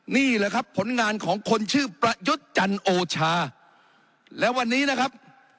นี่แหละครับผลงานของคนชื่อประยุทธ์จันโอชาและวันนี้นะครับ